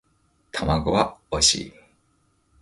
卵はおいしい